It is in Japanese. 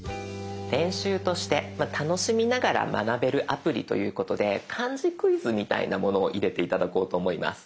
練習として楽しみながら学べるアプリということで漢字クイズみたいなものを入れて頂こうと思います。